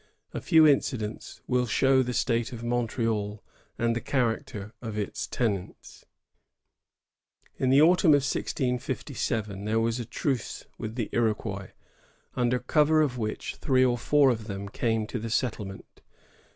A few incidents will show the state of Montreal and the character of its tenants. In the autumn of 1657 there was a truce with the Iroquois, under cover of which three or four of them came to the settlement.